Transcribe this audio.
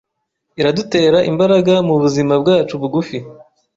Iradutera imbaraga mubuzima bwacu bugufi